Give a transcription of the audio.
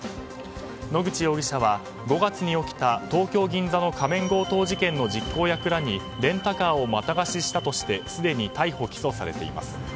野口容疑者は５月に起きた東京・銀座の仮面強盗事件の実行役らにレンタカーを又貸ししたとしてすでに逮捕・起訴されています。